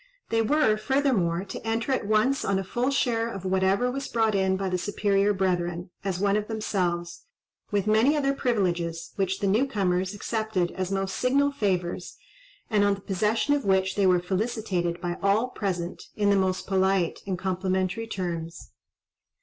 They were, furthermore, to enter at once on a full share of whatever was brought in by the superior brethren, as one of themselves—with many other privileges, which the new comers accepted as most signal favours, and on the possession of which they were felicitated by all present, in the most polite and complimentary terms.